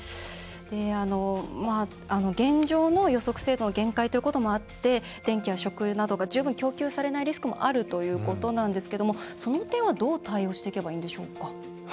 現状の予測精度の限界ということもあって電気や食などが十分供給されないリスクもあるということなんですけどもその点は、どう対応していけばいいんでしょうか。